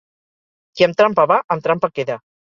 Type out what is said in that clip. Qui amb trampa va, amb trampa queda.